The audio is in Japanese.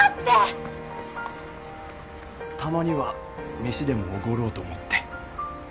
たまには飯でもおごろうと思って。